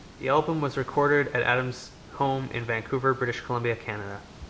The album was recorded at Adams' home in Vancouver, British Columbia, Canada.